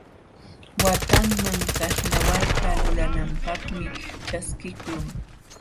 Watanman karnawalta lulananpaqmi ćhaskiqlun.